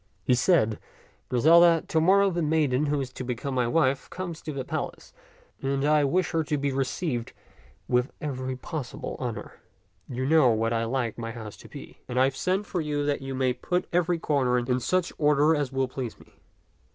He said, " Griselda, to morrow the maiden who is to become my wife comes to the palace, and I would wish her to be received with every possible honor. You know how I like my house to be, and I have sent for you that you may put every corner in such order as will please me."